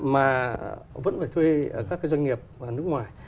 mà vẫn phải thuê ở các cái doanh nghiệp nước ngoài